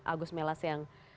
agus melas yang